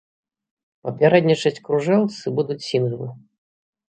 Папярэднічаць кружэлцы будуць сінглы.